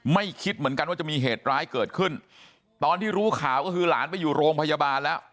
คิดเหมือนกันว่าจะมีเหตุร้ายเกิดขึ้นตอนที่รู้ข่าวก็คือหลานไปอยู่โรงพยาบาลแล้ว